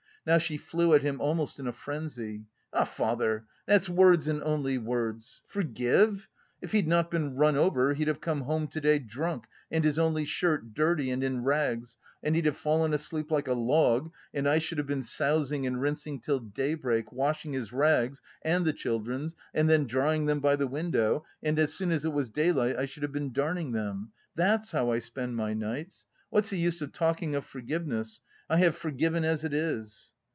Now she flew at him almost in a frenzy. "Ah, father! That's words and only words! Forgive! If he'd not been run over, he'd have come home to day drunk and his only shirt dirty and in rags and he'd have fallen asleep like a log, and I should have been sousing and rinsing till daybreak, washing his rags and the children's and then drying them by the window and as soon as it was daylight I should have been darning them. That's how I spend my nights!... What's the use of talking of forgiveness! I have forgiven as it is!"